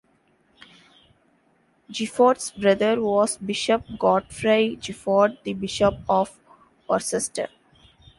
Giffard's brother was Bishop Godfrey Gifford - the Bishop of Worcester.